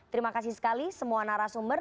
terima kasih sekali semua narasumber